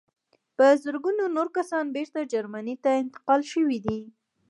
په زرګونه نور کسان بېرته جرمني ته انتقال شوي دي